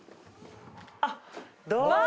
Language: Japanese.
あっどうも。